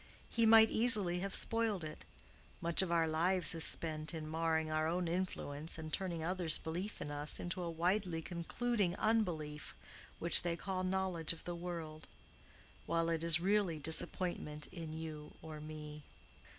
He might easily have spoiled it:—much of our lives is spent in marring our own influence and turning others' belief in us into a widely concluding unbelief which they call knowledge of the world, while it is really disappointment in you or me.